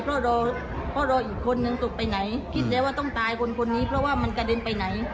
เพราะรอเพราะรออีกคนนึงตกไปไหนคิดแล้วว่าต้องตายคนนี้เพราะว่ามันกระเด็นไปไหน